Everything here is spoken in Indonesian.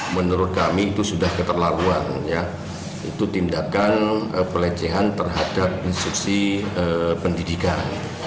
menurut kami itu sudah keterlaluan ya itu tindakan pelecehan terhadap instruksi pendidikan